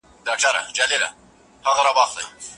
ملنګه ! د کوم دشت هوا پرهر لره دوا ده